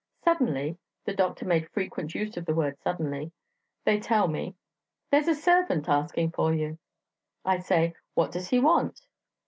Suddenly" (the doctor made frequent use of this word, suddenly) "they tell me, 'There's a servant asking for you.' I say, 'What does he want?'